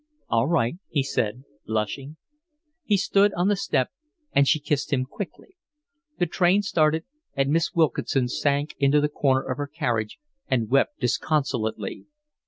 "All right," he said, blushing. He stood up on the step and she kissed him quickly. The train started, and Miss Wilkinson sank into the corner of her carriage and wept disconsolately.